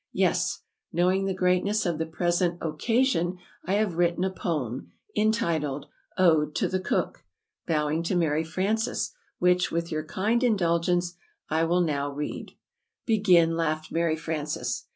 "Yes; knowing the greatness of the present oc ca sion, I have written a poem, en ti tled, 'Ode to the Cook' (bowing to Mary Frances), which, with your kind indulgence, I will now read:" [Illustration: "Ode to the Cook"] "Begin!" laughed Mary Frances.